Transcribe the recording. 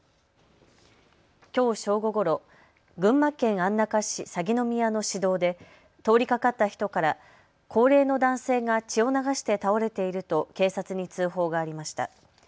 きょう正午ごろ群馬県安中市鷺宮の市道で通りかかった人から高齢の男性が血を流して倒れていると警察に通報がありました。